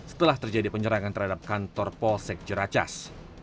setelah terjadi penyerangan terhadap kantor polsek jeracas